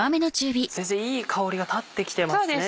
先生いい香りが立ってきてますね。